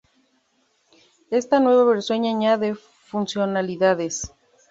Esta nueva versión añade funcionalidades.